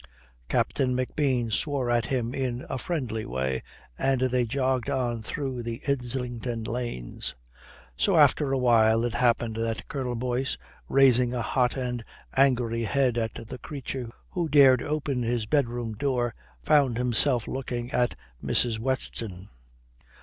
Captain McBean swore at him in a friendly way, and they jogged on through the Islington lanes.... So after a while it happened that Colonel Boyce, raising a hot and angry head at the creature who dared open his bedroom door, found himself looking at Mrs. Weston.